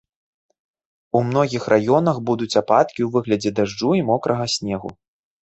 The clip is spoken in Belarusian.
У многіх раёнах будуць ападкі ў выглядзе дажджу і мокрага снегу.